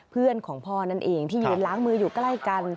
เพื่อนของพ่อนั่นเองที่ยืนล้างมืออยู่ใกล้กัน